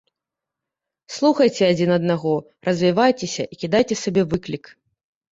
Слухайце адзін аднаго, развівайцеся і кідайце сабе выклік.